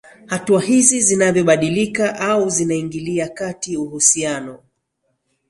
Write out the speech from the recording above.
hatua hizi zinavyobadilika au zinaingilia kati uhusiano